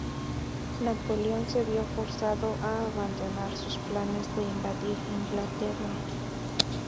Napoleón se vio forzado a abandonar sus planes de invadir Inglaterra.